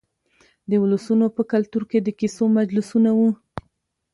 د ولسونو په کلتور کې د کیسو مجلسونه وو.